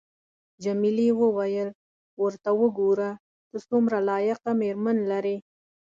جميلې وويل:: ورته وګوره، ته څومره لایقه مېرمن لرې.